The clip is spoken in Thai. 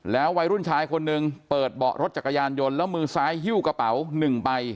วัยรุ่นชายคนหนึ่งเปิดเบาะรถจักรยานยนต์แล้วมือซ้ายหิ้วกระเป๋าหนึ่งใบ